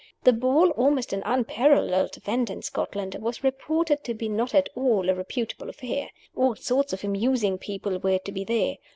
The ball (almost an unparalleled event in Scotland!) was reported to be not at all a reputable affair. All sorts of amusing people were to be there.